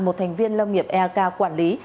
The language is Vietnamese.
một thành viên lâm nghiệp eak quản lý